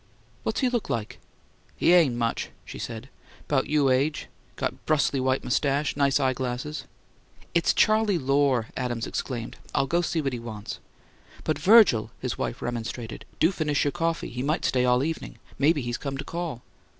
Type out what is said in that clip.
"What's he look like?" "He ain't much," she said. "'Bout you' age; got brustly white moustache, nice eye glasses." "It's Charley Lohr!" Adams exclaimed. "I'll go see what he wants." "But, Virgil," his wife remonstrated, "do finish your coffee; he might stay all evening. Maybe he's come to call."